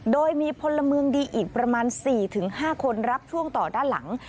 โดยมีพลเมืองดีอีกประมาณ๔๕คนรับช่วงต่อด้านหลัง